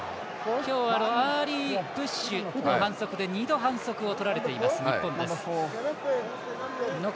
今日はアーリープッシュの反則で２度反則をとられている日本。